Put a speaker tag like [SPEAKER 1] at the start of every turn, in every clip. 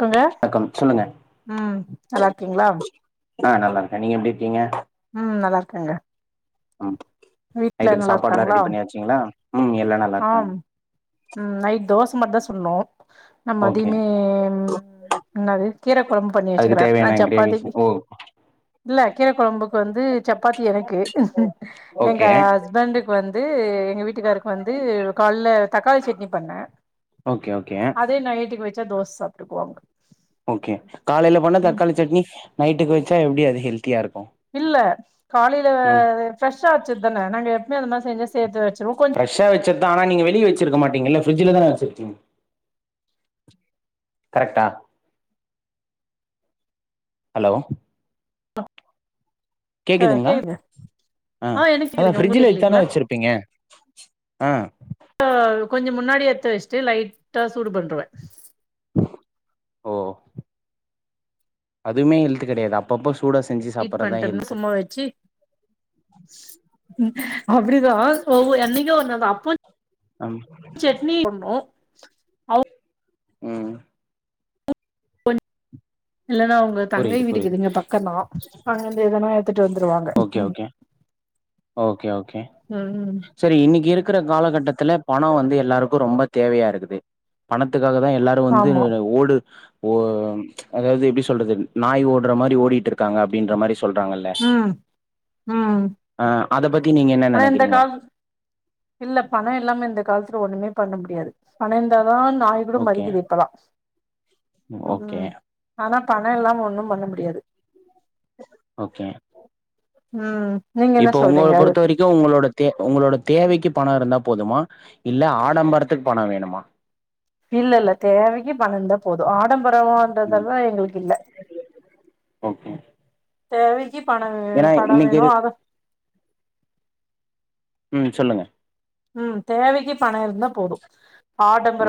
[SPEAKER 1] கொங்க
[SPEAKER 2] வணக்கம் சொல்லுங்க
[SPEAKER 1] உம் நல்லாருக்கிங்ளா
[SPEAKER 2] ஆஹ் நல்லாருக்கே நீங்க எப்டிருக்கிங்க
[SPEAKER 1] உம் நல்லாருக்காங்க
[SPEAKER 2] ம்
[SPEAKER 1] வீட்ல
[SPEAKER 2] நைட்டுக்கு சாப்பாடுலா
[SPEAKER 1] நல்லாருக்காங்களா
[SPEAKER 2] ரெடி பண்ணியாச்சுங்களா ம் எல்லா நல்லா இருக்காங்க
[SPEAKER 1] ஆம் உம் நைட் தோஸ் மத்தா சுடனு ந
[SPEAKER 2] ஓகே
[SPEAKER 1] மதியமேம் என்னாது கீர கொழம்பு பண்ணி
[SPEAKER 2] அதுக்கு
[SPEAKER 1] வச்சுக்கிறன்
[SPEAKER 2] தேவையான கிரேவிஸ்
[SPEAKER 1] சப்பாத்திக்கு
[SPEAKER 2] ஓ
[SPEAKER 1] இல்ல கீர கொழம்பு வந்து சப்பாத்தி எனக்கு எங்க
[SPEAKER 2] ஓகே
[SPEAKER 1] ஹஸ்பண்டுக்கு வந் து எங்க வீட் வீட்டுக்காருக்கு வந்து கால்ல தக்காளி சட்னி பண்ண
[SPEAKER 2] ஓகே ஓகே
[SPEAKER 1] அதே நா வீட்டுக்கு வச் பசிச்சா தோஸ சாப்ட்டுக்குவாங்க
[SPEAKER 2] ஓகே காலைல பண்ண
[SPEAKER 1] ம்
[SPEAKER 2] தக்காளி சட்னி நைட்டுக்கு வெச்சா எப்படி அது ஹெல் தியா இருக்கு
[SPEAKER 1] இல்ல காலைல
[SPEAKER 2] ம்
[SPEAKER 1] அ ஃப்ரெ ச வெச்சுதான நாங்க எப்பமே அந்த மாதிரி சாப் செஞ்ச சேத்து வெச்சுருவோ கொஞ்
[SPEAKER 2] ச்சதான் நீங்க வெளிய வெச்சிருக்க மாட்டிங்க இல்ல ஃபிரிஜில தான வெச்சிருப்பீங்க கரெட்டா ஹலோ
[SPEAKER 1] க
[SPEAKER 2] கேக்குதுங்களா
[SPEAKER 1] கேக்குது
[SPEAKER 2] அ
[SPEAKER 1] ஆ எனக்கு
[SPEAKER 2] அதான்
[SPEAKER 1] கேக்குதுங்க உங்களுக்கு
[SPEAKER 2] பிரிஜ்ல
[SPEAKER 1] கேக்கலீங்களா
[SPEAKER 2] எத்தானே வெச்சிருப்பீங்க அ
[SPEAKER 1] கொஞ்சோ முன்னாடி எத்து வெச்சிட்டு லைட்டா சூடு பண்ருவ
[SPEAKER 2] ஓ அதுமே ஹெல்த்து கெடையாது அப்பப்போ சூ
[SPEAKER 1] ஹீட் பண்ட்டோம்னு சும்மா வெச்சு அப்டிதா சோ என்னைக்கே ஒரு நாள் தான் அப்ப
[SPEAKER 2] ம்
[SPEAKER 1] சட்னி பண்ணோ ஆவு
[SPEAKER 2] ம்
[SPEAKER 1] பொன் இல்லன்னா உங்க தங்கை
[SPEAKER 2] புரியுது புரியுது
[SPEAKER 1] வீடுக்குதுங்க பக்கந்தா அங்கிருந்து எதனா த்துட்டு வந்துருவாங்க
[SPEAKER 2] ஓகே ஓகே ஓகே ஓகே
[SPEAKER 1] ம்
[SPEAKER 2] சரி இன்னிக்கு இருக்கு இருக்கிற காலகட்டத்தில பணம் வந்து எல்லாருக்கும் ரொம்ப தேவையா இருக்குது பணத்துக்கு க்காக தா எல்லாரோ வந்து
[SPEAKER 1] ஆமா
[SPEAKER 2] ஓடு ஓ அதாவது எப்டி சொல்றது நாய் ஓடுற மாரி ஓடிட்டு இருக்காங்க அப்டின்ற மாரி சொல்றாங்கல்ல
[SPEAKER 1] ம் ம்
[SPEAKER 2] ஆ அத பத் த நீங்க என்ன
[SPEAKER 1] ஆனா இந்த
[SPEAKER 2] நெனைக்கிறீங்க
[SPEAKER 1] கால் இல்ல பணம் இல்லாம இந்த காலத்துல ஒண்ணுமே பண்ண முடியாது பணம் இருந்தா தான் நாய் கூட
[SPEAKER 2] ஓகே
[SPEAKER 1] மதிக்குது இப்பல்லா
[SPEAKER 2] ஓகே
[SPEAKER 1] ம் ஆனா பணம் இல்லாம ஒண்ணும் பண்ண முடி டியாது
[SPEAKER 2] ஓகே
[SPEAKER 1] உம்
[SPEAKER 2] இப்ப உங்கள பொறுத்த வரைக்கும் உங்களோட தே உங்களோட தேவைக் க்கி பணோ இருந்தா போதுமா இல்ல ஆடம்பரத்துக்கு பணோ வேணுமா
[SPEAKER 1] இல்ல இல்ல தேவைக்கு பணந்தா போதும் ஆடம் பற
[SPEAKER 2] ம்
[SPEAKER 1] வான்ட்றதல்லா எங்களுக்கு இல்லை
[SPEAKER 2] ஓகே
[SPEAKER 1] தேவைக் க்கி பணோ
[SPEAKER 2] ஏன்னா
[SPEAKER 1] வேணும் படம்
[SPEAKER 2] இன்னைக்கு இரு
[SPEAKER 1] வேணும் அத
[SPEAKER 2] உம் சொல்லுங்க
[SPEAKER 1] உம் தேவைக்கு பணோ இருந்தா போதும்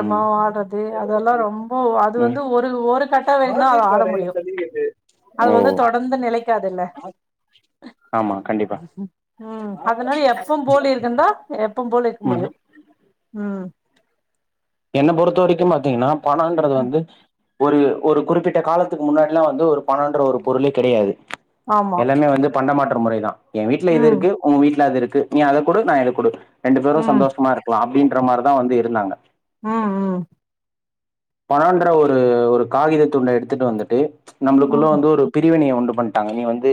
[SPEAKER 2] ம்
[SPEAKER 1] ஆட்றது அதெல்லாம் ரொம்ப அது
[SPEAKER 2] ம்
[SPEAKER 1] வந்து ஒரு ஒரு கட்டம் வரைந்தான் அதை ஆட முடியும் அது
[SPEAKER 2] ஓ
[SPEAKER 1] வந்து தொடர்ந்து நிலைக்காதுல்ல
[SPEAKER 2] ஆமா கண்டிப்பா
[SPEAKER 1] உம் அதனால எப்பவும் போலிருக்குந்தா போல் ‌இருக்க
[SPEAKER 2] ம்
[SPEAKER 1] முடியும் உம் உம்
[SPEAKER 2] என்ன பொறுத்த வரைக்கும் பாத்தீங்கன்னா பணோன்றது வந்து ஒரு ஒரு குறிப்பிட்ட காலத்துக்கு முன்னாடில்லாம் வந்து ஒரு பணோன்ற ஒரு பொருளே கிடையாது
[SPEAKER 1] ஆமா
[SPEAKER 2] எல்லாமே வந்து பண்டமாற்று முறை தான் என் வீட்ல இது
[SPEAKER 1] ம்
[SPEAKER 2] இருக்கு உங்க வீட்ல அது இருக் க்கு நீ அத குடு நான் இத குடு ரெண்டு பேரும்
[SPEAKER 1] ம்
[SPEAKER 2] சந்தோசமா இருக்கலா அப்புன்னு க்ற மாரிதான் வந்து இருந்தாங்க
[SPEAKER 1] ம் ம்
[SPEAKER 2] பணோன்ற ஒரு ஒரு காகித தூண்ட எடுத்துட்டு வந்துட்டு நம்புளுக்குள்ள
[SPEAKER 1] ம்
[SPEAKER 2] வந்து ஒரு பிரிவினைய உண் து பண்ட்டாங்க நீ வந்து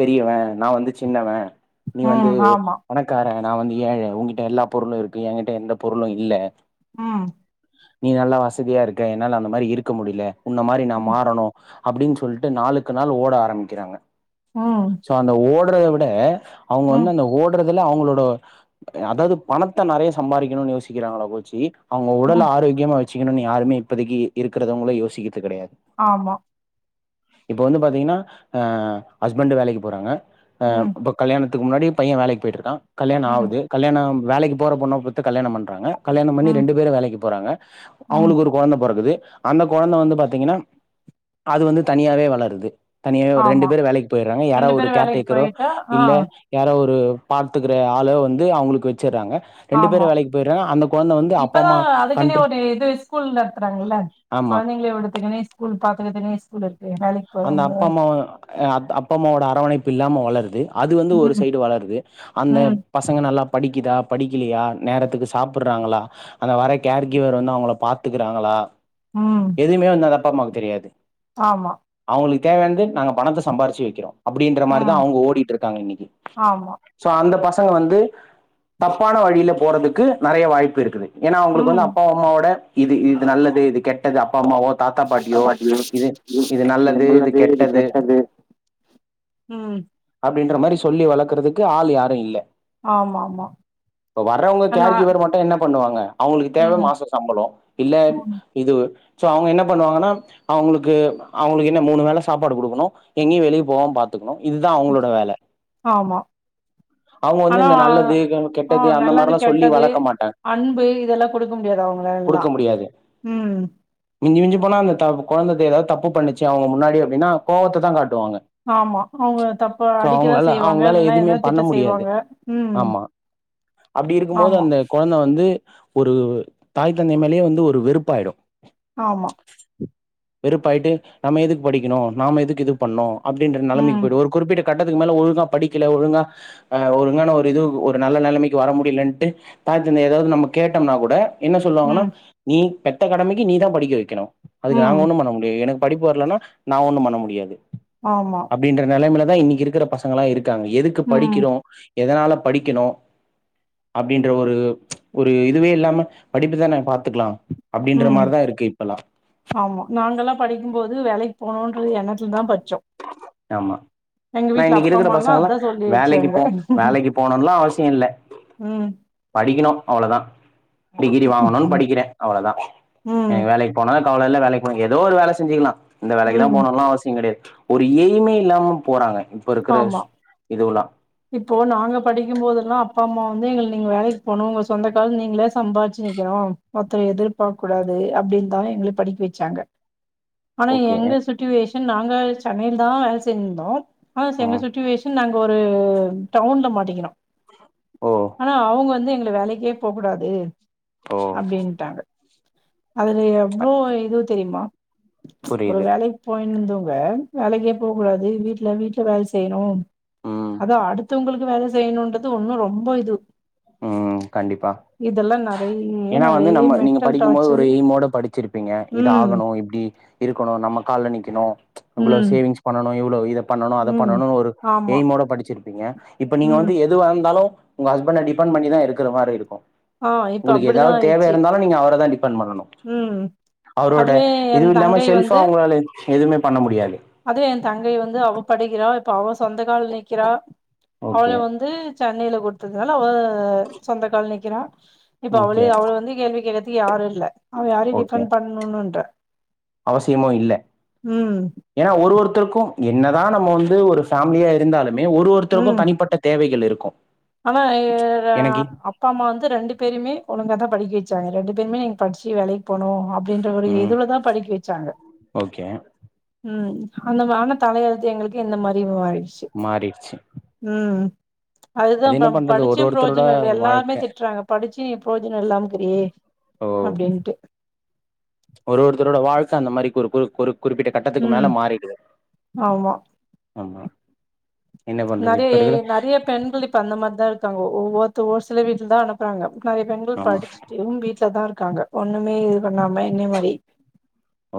[SPEAKER 2] பெரியவன் நான் வந்து சின்னவ நீ
[SPEAKER 1] ம்
[SPEAKER 2] வந்து
[SPEAKER 1] ஆமா
[SPEAKER 2] பணக்கா அ நா வந்து ஏ ய ஊங்க்கிட்ட எல்லா பொருளும் இருக்கு என்கிட்ட எந்த பொருளும் இல்ல
[SPEAKER 1] உம்
[SPEAKER 2] நீ நல்லா வசதியா இருக்க என்னால அந்த மாரி இருக்க முடில உன்ன மாரி நான்
[SPEAKER 1] ம்
[SPEAKER 2] மாறணும் அப்புடின்னு சொல்ட்டு நாளுக்கு நாள் ஓட ஆரம்பிக்கிறாங்க
[SPEAKER 1] ம்
[SPEAKER 2] சோ அந்த ஓ ப்றத விட அவங்க
[SPEAKER 1] ம்
[SPEAKER 2] வந்து அந்த ஓட்றத் துல அவங்களோட அதாவது பணத்த நறையா சம்பாரிக்கணுன்னு யோசிக்கிறாங்களா போச்சி அவங்க உடல்
[SPEAKER 1] ம்
[SPEAKER 2] ஆரோக்கியமா வச் வெச்சிகனுனு யாருமே இப்பதைக்கு இருக்கிறதுவங்ளு யோசிக்கறது கெடையாது
[SPEAKER 1] ஆமா
[SPEAKER 2] இப்ப வந்து பாத்தீங்னா அஹ் ஹஸ்பண்ட்டு வேலைக்கு போறாங்க அஹ்
[SPEAKER 1] ம்
[SPEAKER 2] அப்ப கல்யாணத் துக்கு முன்னாடி பைய்ய வேலைக்கு போயிட்டுருக்கா கல்யாண
[SPEAKER 1] ம்
[SPEAKER 2] ஆவுது கல்யாணம் வேலைக்கு போற பொண்ண பாத்து கல்யாணம் பண்றாங்க கல்யாணம் பண்ணி
[SPEAKER 1] ம்
[SPEAKER 2] ரெண்டு பேரு வேலைக்கு போறாங்க
[SPEAKER 1] ம்
[SPEAKER 2] அவங்ளுக்கு ஒரு கொழந்த பொறக்குது அந்த கொழந்த வந்து பாத்தீங்னா அது வந்து தனியாவே வளருது தனியாவே ஒரு ரெண்டு
[SPEAKER 1] ஆமா
[SPEAKER 2] பேரு வேலைக் போயறாங்க யாரோ
[SPEAKER 1] ரெண்டு
[SPEAKER 2] ஒரு
[SPEAKER 1] பேரும்
[SPEAKER 2] கேர்
[SPEAKER 1] வேலைக்கு
[SPEAKER 2] டேக்கரோ
[SPEAKER 1] போயிட்டா ஆ
[SPEAKER 2] இல்ல யாரோ ஒரு பாத்துகிற ஆள வந்து அவ்ங்ளுக்கு வெ ச்சிறாங்க ரெண்டு பேரு வேலைக்கு போயறாங்க அந்த கொழந்த வந்து அப்
[SPEAKER 1] இப்பதா அதுக்குனே ஒரு இது ஸ்கூல் நடத்றாங்கல்ல
[SPEAKER 2] ஆமா
[SPEAKER 1] கொழந்தைங்ள விடறத்துக்னே ஸ்கூல் பாத் விதுனே ஸ்கூலு
[SPEAKER 2] அந்த அப்பா அம்மா அ அப்பா அம்மாவோட அரவணைப் பில்லாம வளருது அது வந்து ஒரு
[SPEAKER 1] ம்
[SPEAKER 2] சைடு வளருது அந்த
[SPEAKER 1] ம்
[SPEAKER 2] பசங்க நல்லா படிக்குதா படிக்கிலியா நேரத்துக்கு சாப்பிடறாங்களா அந்த வர்ர கேர் கிவ்வர் வந்து அவங்ள பாத்துக்கறாங்களா
[SPEAKER 1] ம்
[SPEAKER 2] எதுமே வந்து அந்த அப்பா அம்மாக்கு தெரியாது
[SPEAKER 1] ஆமா
[SPEAKER 2] உங்ளுக்கு தேவையானது நாங்க பணத்த சம்பாரிச்சு வெக்கிறோ அப்டின்ற மாரிதா
[SPEAKER 1] ம்
[SPEAKER 2] அவுங்க ஓடிட்ருக்காங்க இன்னக்கி
[SPEAKER 1] ஆமா
[SPEAKER 2] சோ அந்த பச பசங்க வந்து தப்பான வழில போறதுக்கு நெறயா வாய்ப்பிருக்குது ஏனா அவுங்ளுக்கு
[SPEAKER 1] ம்
[SPEAKER 2] வந்து அப்பா அம்மாவோட இது இது நல்லது இது கெட் ட்டது அப் அப்பா அம்மாவோ தாத்தா பாட்டியோ இது இது நல்லது இது கெட்டது
[SPEAKER 1] ம்
[SPEAKER 2] அப் அப்டின்ற மாரி சொல்லி வளக்றதுக்கு ஆள் யாரு இல்ல
[SPEAKER 1] ஆமா ஆமா
[SPEAKER 2] இப்ப வர்றவங்க
[SPEAKER 1] ஆனா
[SPEAKER 2] கேர் கீவ்வர் மட்டு என்ன பண்ணுவாங்க அவங்ளுக்கு தேவ
[SPEAKER 1] ம்
[SPEAKER 2] மாச சம்பளோ இல்ல
[SPEAKER 1] ம்
[SPEAKER 2] இது சோ அவுங்க என்ன பண்ணுவாங்கன்னா அவுங்களுக்கு அவுங்ளுகென்ன மூணு வேல சாப்பாடு குடுக்கணு எங்கயு வெளிய போகாம பாத்துக்கணு இதா அவுங்களோட வேல
[SPEAKER 1] ஆமா
[SPEAKER 2] அவங்க வந்து
[SPEAKER 1] ஆனா
[SPEAKER 2] இந்த
[SPEAKER 1] ஆஹ்
[SPEAKER 2] நல்லது கெட்டது
[SPEAKER 1] ஆஹ்
[SPEAKER 2] அந்த
[SPEAKER 1] நல்லது
[SPEAKER 2] மாரிலாம் சொல்லி
[SPEAKER 1] கெட்டது
[SPEAKER 2] வளர்க்க மாட்டாங்க
[SPEAKER 1] அன்பு இதெல்லா குடுக்க முடியாது அவுங்களாலலா
[SPEAKER 2] குடுக்க முடியாது
[SPEAKER 1] உம்
[SPEAKER 2] மிஞ்சி மிஞ்சிபோனா அந்த குழந்தை ஏதாவது தப்பு பண்ணுச்சு அவங்க முன்னாடி அப்படின்னா கோவத்தைத்தா காட்
[SPEAKER 1] ஆமா. அவங்க தப்ப அடிக்கதான் செய்வாங்க.
[SPEAKER 2] அவங்களால
[SPEAKER 1] இல்லன்னா
[SPEAKER 2] எதுவுமே
[SPEAKER 1] எதனா
[SPEAKER 2] பண்ண
[SPEAKER 1] திட்ட
[SPEAKER 2] முடியாது
[SPEAKER 1] செய்வாங்க. ம்.
[SPEAKER 2] ஆமா அப்படி இருக்கும்போது
[SPEAKER 1] ஆமா,
[SPEAKER 2] அந்த குழந்தை வந்து ஒரு தாய் தந்தை மேலேயே வந்து ஒரு வெறுப்பாயிடும்
[SPEAKER 1] ஆமா
[SPEAKER 2] வெறுப்பாயிட்டு நம்ம எதுக்கு படிக்கணும் நாம எதுக்கு இது பண்ணும் அப்படின்ற
[SPEAKER 1] ம்,
[SPEAKER 2] நெலைமைக்கு போயிடு ஒரு குறிப்பிட்ட கட்டத்துக்கு மேல ஒழுங்கா படிக்கல ஒழுங்கா ஒழுங்கான ஒரு இது ஒரு நல்ல நெலமைக்கு வர முடியலைன்னுட்டு பாதது நம்ம எதாவது கேட்டோம்னா கூட என்ன சொல்லுவாங்கன்னா
[SPEAKER 1] ம்,
[SPEAKER 2] நீ பெத்த கடமைக்கு நீதா படிக்கி வைக்கணோ அதுக்கு
[SPEAKER 1] ம்.
[SPEAKER 2] நாங்க ஒண்ணும் பண்ண முடியாது எனக்கு படிப்பு வரலன்னா நா ஒண்ணும் பண்ண முடியாது
[SPEAKER 1] ஆமா.
[SPEAKER 2] அப்படின்ற நெலமைல தா இன்னிக்கு இருக்குற பசங்களா இருக் இருக்காங்க எதுக்கு
[SPEAKER 1] ம்,
[SPEAKER 2] படிக்கிறோ எதனால படிக்கணும் அப்படின்ற ஒரு ஒரு இதுவே இல்லாம படிப்புதானேபார்த்துக்கலாம் அப்படின்ற
[SPEAKER 1] ம்.
[SPEAKER 2] மாரிதா இருக்கு இப்பல்லா
[SPEAKER 1] ஆமா நாங்கெலா படிக்கும்போது வேலைக்கு போம் ன்றது எண்ணத்துல தா படிச்சோ
[SPEAKER 2] ஆமா நா இன்னிக்கு இருக்கிற
[SPEAKER 1] அம்மாலாம்
[SPEAKER 2] பசங்கலா
[SPEAKER 1] அதான் சொல்லி
[SPEAKER 2] வேலைக்கு
[SPEAKER 1] வச்சாங்க.
[SPEAKER 2] போம் வேலைக்கு போணுமெல்லா அவசியோ இல்ல
[SPEAKER 1] ம்.
[SPEAKER 2] படிக்கணோ அவ்ளோதா டிகிரி வாங்கணும்ன்னு
[SPEAKER 1] ம்,
[SPEAKER 2] படிக்கிறேன் அவ்வளோதா
[SPEAKER 1] ம்.
[SPEAKER 2] எனக்கு வேலைக்கு போனா அவலல்ல வேலைக்கு போக ஏதோ ஒரு வேலைசெஞ்சிக்கலாம் இந்த வேலைக்கு தா
[SPEAKER 1] ம்
[SPEAKER 2] போகணோலா அவசியம் கெடையாது எய்மே இல்லாம போறாங்க இப்போ இருக்கிற
[SPEAKER 1] ஆமா.
[SPEAKER 2] இதுவுல்லா
[SPEAKER 1] இப்போ நாங்க படிக்கும் போதெல்லா அப்பா அம்மா வந்து எங்கள நீங்க வேலைக்கு போகனோ உங்க சொந்த காசுலேநீங்களே சம்பாதிச்சு நிக்கணோ ஒருத்தவங்கள எதிர்பார்க்க கூடாது அப்படின்னு தா எங்கள படிக்க வெச்சாங்க ஆனா
[SPEAKER 2] ஓகே
[SPEAKER 1] எங்க சிட்டுவேஷன் நாங்க சென்னைல தா வேலை செஞ்சிந்தோம் ஆ எங்க
[SPEAKER 2] ம்
[SPEAKER 1] சிட்டுவேஷன் நாங்க ஒரு டவுன்ல மாட்டிக்கணோ
[SPEAKER 2] ஓ
[SPEAKER 1] ஆனா அவுங்க வந்து எங்கள வேலைக்கே போகக்கூடாது
[SPEAKER 2] ஓ
[SPEAKER 1] அப்டீன்ட்டாங்க அதுல எவ்வளோ இது தெரியுமா ஒரு
[SPEAKER 2] புரியுது
[SPEAKER 1] வேலைக் போ ந்தவங்க வேலைக்கே போவ கூடாது வீட்ல வீட்ல வேல செய்ணு
[SPEAKER 2] ம்
[SPEAKER 1] த்தவங்களுக்கு வேல செய்ணுன்றது ஒன்னு ரொம்ப இது
[SPEAKER 2] உம் கண்டிப்பா
[SPEAKER 1] இதெல்லா நெறைய
[SPEAKER 2] ஏனா வந்து
[SPEAKER 1] நெறைய
[SPEAKER 2] நம்ம நீங்க
[SPEAKER 1] மென்டல்
[SPEAKER 2] படிக்கும் போது ஒரு
[SPEAKER 1] டார்ச்சர்
[SPEAKER 2] எய்மோட படிச்சிருப்பீங்க இது
[SPEAKER 1] ம்
[SPEAKER 2] ஆகணு இப்டி இருக்கணு நம்ம கால்ல நிக்கணு இவ்ளோ
[SPEAKER 1] ம்
[SPEAKER 2] சேவிங்ஸ் பண்ண னு இவ்ளோ இத பண்ணணு அத
[SPEAKER 1] ம்
[SPEAKER 2] பண்ணணுன் ஒரு
[SPEAKER 1] ஆமா
[SPEAKER 2] எய்மோட படிச்சிரு ப்பீங்க இப்ப நீங்க
[SPEAKER 1] ம்
[SPEAKER 2] வந்து எதுவாந்தாலு உங்க ஹஸ்பண்ட டிபெண் பண்ணிதா இருக்கற மாரி இருக்கு
[SPEAKER 1] ஆ இப்ப
[SPEAKER 2] உங்குளுக்கு
[SPEAKER 1] அப்டிதா
[SPEAKER 2] எதாவ் தேவையா
[SPEAKER 1] ஆயிடுச்சு
[SPEAKER 2] இருந்தாலு நீங்க அவர தா டி பண்ட் பண்ணணு
[SPEAKER 1] ம்
[SPEAKER 2] அவுரோட
[SPEAKER 1] அதுவே என்
[SPEAKER 2] இதுவு இல்லாம
[SPEAKER 1] தங்கை
[SPEAKER 2] செல்ஃபா
[SPEAKER 1] வந்து
[SPEAKER 2] உங்களால எஞ்ச் எதுவுமே பண்ண முடியாது
[SPEAKER 1] அதுவே என் தங்கை வந்து அவ படிக்கிறா ப்ப அவ சொந்த கால் நிக்கிறா அவள
[SPEAKER 2] ஓகே
[SPEAKER 1] வந்து சென்னைல குடுத்ததுனால அவ அ சொந்த கால் நிக் க்கிறா இப்ப
[SPEAKER 2] ஓகே
[SPEAKER 1] அவளயே அவள வந்து கேள்வி கேக்க யாரு இல் ல அவ யாரையு
[SPEAKER 2] ஓகே
[SPEAKER 1] டிஃபண் பண்ணுணுன்ற உம்
[SPEAKER 2] ஏனா ஒரு ஒருத்தருக்கூ என்னதா நம்ம வந்து ஒரு ஃபேமிலியா இருந்தாலு மே ஒருஒருத்தருக்கூ
[SPEAKER 1] ம்
[SPEAKER 2] தனிப்பட்ட தேவைகள் இரு க்கு
[SPEAKER 1] ஆனா இ ர அப்பா அம்மா வந்து ரெண்டு பேரயுமே ஒழுங்க தா படிக்க வெ ச்சாங்க ரெண்டு பேருமே நீங் படிச்சி வேலைக் போணு அப்டின்ற ஒரு
[SPEAKER 2] ம்
[SPEAKER 1] எதுலதா படிக்க வெச்சாங்க
[SPEAKER 2] ஓகே
[SPEAKER 1] உம் அந்தம் ஆன தலையழுத்து எங்குளுக்கு இந்த மாரி மாறி ஸ்
[SPEAKER 2] மாறிடுச்சு
[SPEAKER 1] உம் அதுதா
[SPEAKER 2] அது என்ன
[SPEAKER 1] நம்
[SPEAKER 2] பண்றது ஒரு
[SPEAKER 1] படிச்சு
[SPEAKER 2] ஒருத்தரோட
[SPEAKER 1] புரோஜனோ இல்ல எல்லாருமே
[SPEAKER 2] வாழ்க்க
[SPEAKER 1] திட்றாங்க படிச் நீ இப்பொழுதுனு இல்லாமபோறியே
[SPEAKER 2] ஓ
[SPEAKER 1] அப்டின்ட்டு
[SPEAKER 2] ஒரு ஒருத்தரோட வாழ்க்க அந்த மாரி குறு குறு குறு குறிப்பிட்ட கட்டத்துக்கு மேல
[SPEAKER 1] ம்
[SPEAKER 2] மாறிடுது ஆமா என்ன பண்றது இப்ப
[SPEAKER 1] நெறய
[SPEAKER 2] இருக்கிற
[SPEAKER 1] நெறய பெண்கள் இப்ப அந்த மாரிதா இருக்கு இருக்காங்க ஒவ்வொருத்தவ ஒரு சில வீட்ல தா அனுப்புறாங்க நெறய பெண்கள்
[SPEAKER 2] ஆமா
[SPEAKER 1] படிச்சிட்டும் வீட்ல தா இரு இருக்காங்க ஒண்ணுமே இது பண்ணாம என்னய மாரி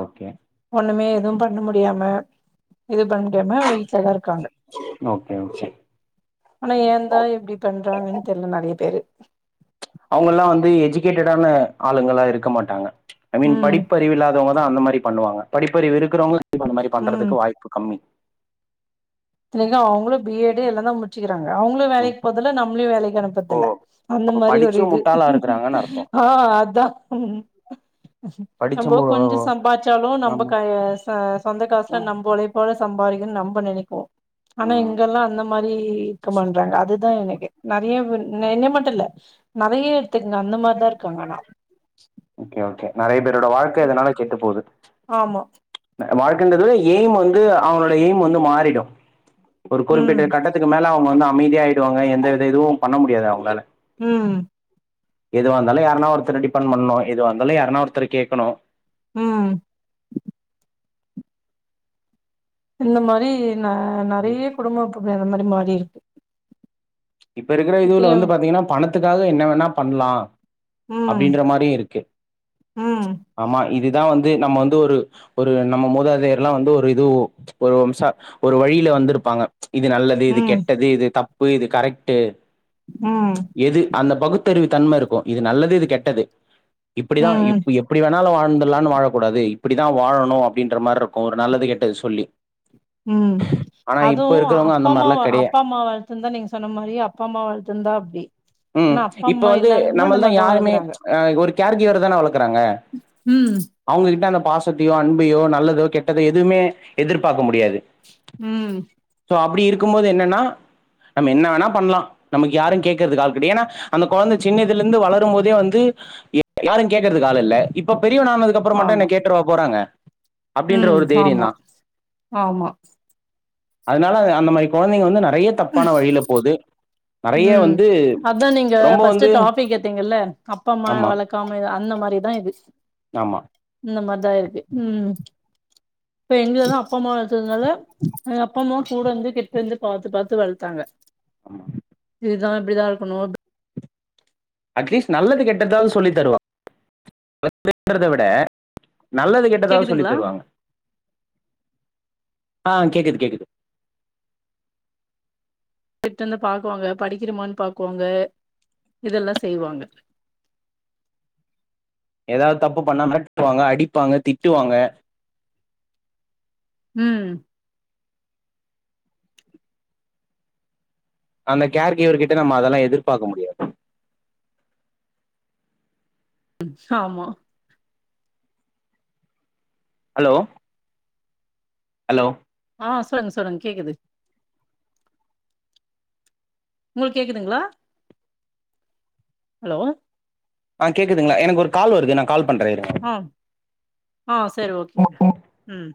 [SPEAKER 2] ஓகே
[SPEAKER 1] ஒண்ணுமே எதுவு பண்ண முடியாம இது பண்ணிட்டுமே வீட்ல தா இருக்காங்க
[SPEAKER 2] ஓகே ஓகே
[SPEAKER 1] ஆனா ஏந்தா இப்டி பண்றாங்கன்னு தெரில நெறய பெரு
[SPEAKER 2] ப்ச் அவுங்கல்லா வந்து எஜூகேட்டேடான ஆளுங்களா இருக்க மாட்டாங்க ஐ மீன்
[SPEAKER 1] ம்
[SPEAKER 2] படிப்பறிவில்லாதவங்க தா அந்த மாரி பண்ணுவாங்க படிப்பறிவு இருக்குறவங்க அந்த மாரி
[SPEAKER 1] ம்
[SPEAKER 2] பண்றதுக்கு வாய்ப்பு கம்மி
[SPEAKER 1] ஏங்க அவங்களு பி எட் எல்லா தா முடிச்சிக் அவங்களு
[SPEAKER 2] ம்.
[SPEAKER 1] வேலைக்கு போதல்ல நம்மளயு வேலைக்கு
[SPEAKER 2] ஓ
[SPEAKER 1] அனுப்பதல்ல அந்த
[SPEAKER 2] அப்ப
[SPEAKER 1] மாரி ஒரு
[SPEAKER 2] படிச்சு
[SPEAKER 1] இது
[SPEAKER 2] முட்டாளா இருக்குறாங்கன்னு அர்த்தோ
[SPEAKER 1] ஆ அதா
[SPEAKER 2] படிச்ச
[SPEAKER 1] நம்போ
[SPEAKER 2] மு
[SPEAKER 1] கொஞ்சோ சம்பாச்சாலும் நம்ப
[SPEAKER 2] ஆமா
[SPEAKER 1] கா ச சொந்த காஷ்ல நம்பலே போல சம்பாரிகன்னு நம்ப நினைக்கோ ஆனா
[SPEAKER 2] ம்
[SPEAKER 1] இங்கெல்லா அந்த மாரி இருக்க மாட்றாங்க அதுதா எனக்கு நெறய பேர் ன்ன என்னய மட்டு இல்ல நறய எடுத்துக்குங்க அந்த மாரிதா இருக்காங்க ஆனா
[SPEAKER 2] ஓகே ஓகே நறய பேர் என்னோட வாழ்க்க அதனால கெட்டு போது
[SPEAKER 1] ஆமா
[SPEAKER 2] வாழ்க்கன்றதுல எய்ம் வந்து அவங்களோட எய்ம் வந்து மாறிடு ஒரு
[SPEAKER 1] ம்
[SPEAKER 2] குறிப்பிட்ட கட்டத்துக்கு மேல அவ வந்து அமைதியா ஆயிடுவாங்க எந்த வித இதுவு பண்ண முடியாது அவங்களால
[SPEAKER 1] ம்ம்
[SPEAKER 2] எதுவா இருந்தாலு யாரானா ஒருத்தர டிபெண்ட் பண்ணணு எது வந்தாலு யாரனா ஒருத்தர கேக்கணு
[SPEAKER 1] ம் இந்த மாரி ந
[SPEAKER 2] ம்.
[SPEAKER 1] நறய குடும்போ இப்ப அந்த மாரி மாறி இருக்கு
[SPEAKER 2] ச் இப்ப இருக்குற இதுல
[SPEAKER 1] எத்தனையோ
[SPEAKER 2] வந்து பாத்தீங்கன்னா பணத்துக்காக என்ன வேணா பண்லா
[SPEAKER 1] ம்
[SPEAKER 2] அப்டின்ற மாரியு இருக்கு ச்
[SPEAKER 1] ம்
[SPEAKER 2] ஆமா இது தா வந்து நம்ம வந்து ஒரு ஒரு நம்ம மூதாதயார்லாம் வந்து ஒரு இது ஒரு வம்சா ஒரு வழியில வந்திருப்பாங்க இது நல்லது இது
[SPEAKER 1] ம்
[SPEAKER 2] கெட்டது இது தப் இப்போ இது கரெக்ட் ட்டு
[SPEAKER 1] ம்
[SPEAKER 2] எது அந்த பகுத்தறிவு தன்ம இருக்கோ இது நல்லது இது கெட்டது இப்டிதா
[SPEAKER 1] ம்
[SPEAKER 2] இப் எப்டி வேணாலு வா வாழ்ந்தல்லான்னு வாழக்கூடாது இப்படிதா வாழணு அப்டின்ற மாரி இருக்கோ ஒரு நல்லது கேட்டது சொல்லி
[SPEAKER 1] உம்
[SPEAKER 2] ஆனா இப்ப
[SPEAKER 1] அதுவு
[SPEAKER 2] இருக்கிறவங்க
[SPEAKER 1] அப்பா அம்மா அப்பா அம்மா வளத்துதிருந்தா நீங்க சொன்னா மாரி அப்பா அம்மா வளத்துந்தா அப்டி
[SPEAKER 2] உம்
[SPEAKER 1] ஆனா அப்பா
[SPEAKER 2] இப்ப
[SPEAKER 1] அம்மா
[SPEAKER 2] வந்து
[SPEAKER 1] இல்லாதவங்க இந்த
[SPEAKER 2] நம்மல் தா
[SPEAKER 1] மாரிதா
[SPEAKER 2] யாருமே
[SPEAKER 1] வளக்குறாங்க
[SPEAKER 2] அ ஒரு கேர்கிவ்வேடு தானே வளக்கறாங்க
[SPEAKER 1] ம்
[SPEAKER 2] அவுங்ககிட்ட அந்த பாசத்தையோ அன்பையோ நல்லதோ கெட்டதோ எதுவுமே எதிர்பார்க்க முடியாது
[SPEAKER 1] உம்
[SPEAKER 2] அப்டி இருக்கும் போது என்னன்னா நம்ம என்ன வேணா பண்ணலா நம்ம யாரு கேட்கறதுக்கு ஆள் கெடையா ஏன்னா அந்த கொழந்த சின்னதில இருந்து வளரும் போதே வந்து யாரும் கேக்கறதுக்கு ஆள் இல்ல இப்போ பெரியவன் ஆனதுக்கு அப்புறோ மட்டு என்ன கேட்டுறவா போறாங்க அப்படின்ற
[SPEAKER 1] உம்
[SPEAKER 2] ஒரு
[SPEAKER 1] ஆமா
[SPEAKER 2] தைரியந்தா
[SPEAKER 1] ஆமா
[SPEAKER 2] அதனால அந்த மாரி கொழந்தைங்க வந்து ந நெறைய தப்பான வழில போது நெறைய
[SPEAKER 1] உஹம்
[SPEAKER 2] வந்து
[SPEAKER 1] அத்தா நீங்க
[SPEAKER 2] ரொம்ப
[SPEAKER 1] பஸ்ட்
[SPEAKER 2] வந்து
[SPEAKER 1] டாபி எடுத்தீங்கல்ல அப்பா அம்மா
[SPEAKER 2] ஆமா
[SPEAKER 1] வளக்காம அந்த மாரிதா இது
[SPEAKER 2] ஆமா
[SPEAKER 1] அந்த மாரி தா இருக்கு உம் இப்ப எங்கலதா அப்பா அம்மா வளத்ததுனால எயா அப்பா அம்மா கூட இருந்து கிட்ட இருந்து பாத்து பாத்து வளத்தாங்க
[SPEAKER 2] ஆமா
[SPEAKER 1] இதுதா இப்டிதா இருக்கணு
[SPEAKER 2] அட்லீஸ்ட் நல்லது கெட்டதாவது சொல்லி தருவாங் [unintelligible] தவிட நல்லது கெட்டதாவது சொல்லி
[SPEAKER 1] கேக்குதுங்களா
[SPEAKER 2] தருவாங்க ஆஹ் கேக்குது கேக்குது
[SPEAKER 1] கிட்ட வந்து பாக்குவாங்க படிக்கிறமான்னு பாக்குவாங்க இதெல்லா செய்வாங்க
[SPEAKER 2] ஏதாவது தப்பு பண்ணா மெரடுவாங்க அடிப்பாங்க திட்டுவாங்க
[SPEAKER 1] ம்
[SPEAKER 2] அந்த கேர்கிவர் கிட்ட நம்ம அதெல்லா எதிர்பாக்க முடியாது
[SPEAKER 1] ஆமா
[SPEAKER 2] ஹலோ ஹலோ
[SPEAKER 1] ஆ சொல்லுங்க சொல்லுங்க கேக்குது உங்களுக்கு கேக்குதுங்களா ஹலோ
[SPEAKER 2] ஆஹ கேக்குதுங்க எனக்கு ஒரு கால் வருது நா கால் பண்றேன் இருங்க
[SPEAKER 1] ஹம் ஆ சரி ஓகேங்க ம்